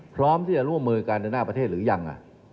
พร้อมที่จะร่วมมือการเดินหน้าประเทศหรือยัง